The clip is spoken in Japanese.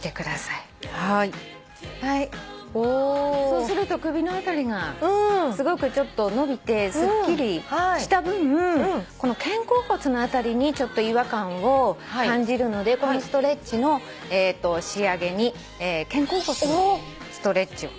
そうすると首の辺りがすごくちょっと伸びてすっきりした分肩甲骨辺りにちょっと違和感を感じるのでこのストレッチの仕上げに肩甲骨のストレッチを。